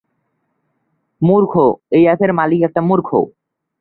ঘটনার সময়কার পাথর ছোঁড়ার কোনো ভিডিও বা ফোন রেকর্ড ইন্টারনেটে উপলভ্য নেই।